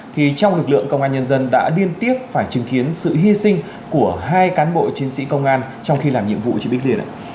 thì trong lực lượng công an nhân dân đã điên tiếp phải chứng kiến sự hy sinh của hai cán bộ chiến sĩ công an trong khi làm nhiệm vụ trên bích điền ạ